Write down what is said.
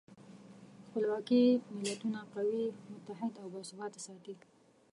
خپلواکي ملتونه قوي، متحد او باثباته ساتي.